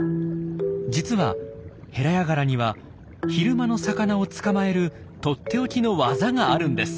実はヘラヤガラには昼間の魚を捕まえるとっておきの技があるんです。